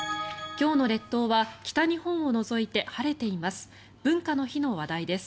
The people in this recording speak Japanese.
今日の列島は北日本を除いて晴れています。